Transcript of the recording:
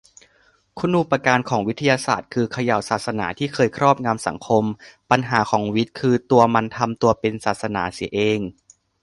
คุณูปการของวิทยาศาสตร์คือ เขย่าศาสนาที่เคยครอบงำสังคม - ปัญหาของวิทย์คือตัวมันทำตัวเป็นศาสนาเสียเอง